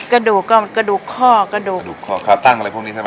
กระดูกข้าตั้งอะไรพวกนี้ใช่ไหม